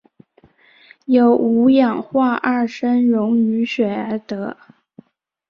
由五氧化二砷溶于水而得。